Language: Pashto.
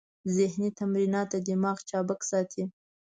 ذهني تمرینات دماغ چابک ساتي.